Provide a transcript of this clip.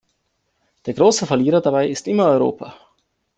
Der große Verlierer dabei ist immer Europa.